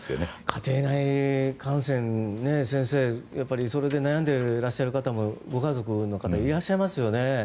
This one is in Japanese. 家庭内感染、先生それで悩んでらっしゃる方もご家族の方いらっしゃいますよね。